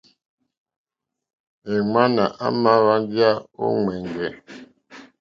Èŋwánà àmà wáŋgéyà ó ŋwɛ̀ŋgɛ̀.